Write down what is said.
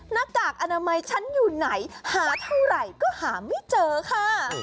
หน้ากากอนามัยฉันอยู่ไหนหาเท่าไหร่ก็หาไม่เจอค่ะ